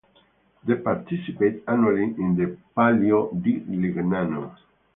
They participate annually in the Palio di Legnano.